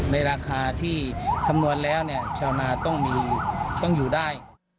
ในราคาที่คำนวณแล้วชาวนาต้องอยู่ได้